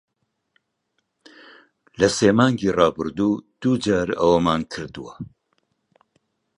لە سێ مانگی ڕابردوو، دوو جار ئەوەمان کردووە.